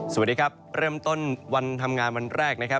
สวัสดีครับเริ่มต้นวันทำงานวันแรกนะครับ